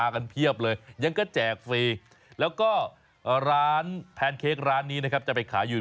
เพียบเลยยังก็แจกฟรีแล้วก็ร้านแพนเค้กร้านนี้นะครับจะไปขายอยู่